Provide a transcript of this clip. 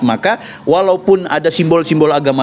maka walaupun ada simbol simbol agama